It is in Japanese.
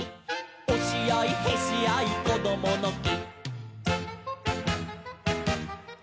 「おしあいへしあいこどものき」